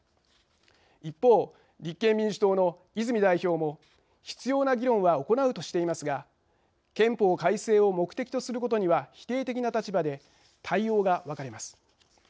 一方、立憲民主党の泉代表も必要な議論は行うとしていますが憲法改正を目的とすることには否定的な立場で対応が分かれます。